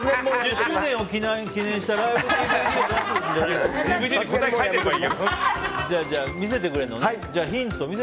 １０周年を記念したライブＤＶＤを出すんじゃないのね。